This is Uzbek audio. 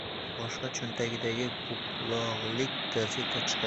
Boshqa cho‘ntagidan buklog‘lik gazeta chiqardi.